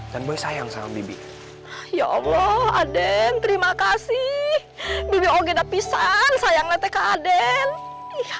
boy sayang sama bibi ya allah aden terima kasih bibi oge dapisan sayangnya teka aden iya